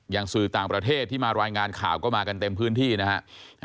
สื่อต่างประเทศที่มารายงานข่าวก็มากันเต็มพื้นที่นะครับ